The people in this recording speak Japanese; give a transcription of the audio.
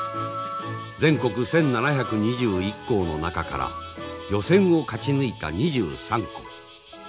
全国１，７２１校の中から予選を勝ち抜いた２３校。